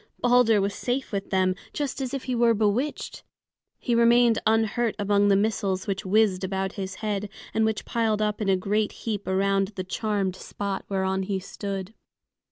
Balder was safe with them, just as if he were bewitched. He remained unhurt among the missiles which whizzed about his head, and which piled up in a great heap around the charmed spot whereon he stood.